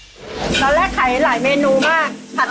ตอนแรกขายหลายเมนูมาก